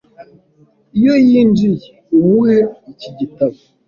Iyo yinjiye, umuhe iki gitabo.